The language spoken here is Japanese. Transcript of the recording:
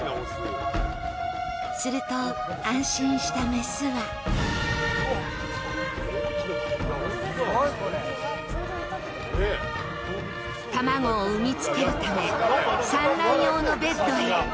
すると安心した雌は卵を産みつけるため、産卵用のベッドへ。